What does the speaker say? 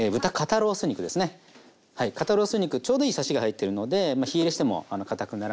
ロース肉ちょうどいいさしが入ってるので火入れしてもかたくならず。